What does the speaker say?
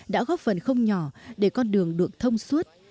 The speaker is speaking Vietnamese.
đã góp phần không nhỏ để con đường được thông suốt